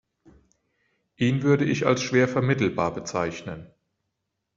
Ihn würde ich als schwer vermittelbar bezeichnen.